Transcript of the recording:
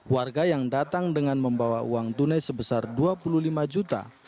warga yang datang dengan membawa uang tunai sebesar dua puluh lima juta